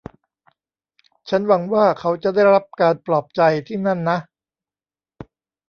ฉันหวังว่าเขาจะได้รับการปลอบใจที่นั่นนะ